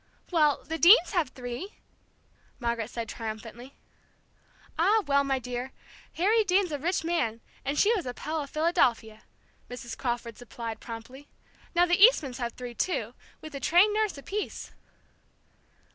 "Well, the Deanes have three!" Margaret said triumphantly. "Ah, well, my dear! Harry Deane's a rich man, and she was a Pell of Philadelphia," Mrs. Crawford supplied promptly. "Now the Eastmans have three, too, with a trained nurse apiece."